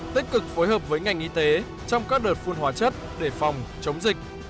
tích cực phối hợp với ngành y tế trong các đợt phun hóa chất để phòng chống dịch